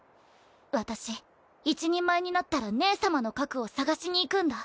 私一人前になったら姉様の核を捜しに行くんだ。